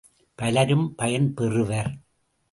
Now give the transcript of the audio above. பலரும் பயன் பெறுவர்.